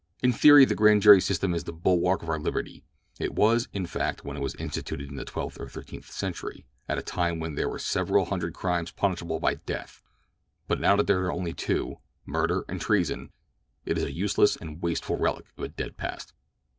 "In theory the grand jury system is the bulwark of our liberty—it was, in fact, when it was instituted in the twelfth or thirteenth century, at a time when there were several hundred crimes punishable by death; but now that there are only two, murder and treason; it is a useless and wasteful relic of a dead past.